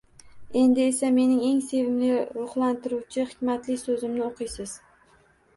Endi esa mening eng sevimli ruhlantiruvchi hikmatli so’zimni o’qiysiz